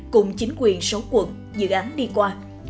cùng chính quyền sáu quận dự án đi qua